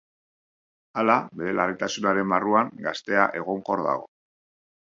Hala, bere larritasunaren barruan, gaztea egonkor dago.